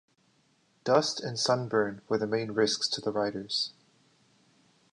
Dust and sunburn were the main risks to the riders.